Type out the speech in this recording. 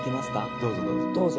どうぞどうぞ。